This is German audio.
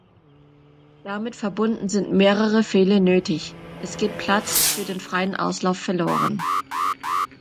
Damit verbunden sind mehrere Pfähle nötig, es geht Platz für den freien Auslauf verloren.